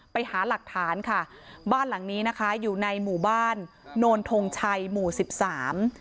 ไปหาหลักฐานค่ะบ้านหลังนี้นะคะอยู่ในหมู่บ้านโนนทงชัยหมู่สิบสาม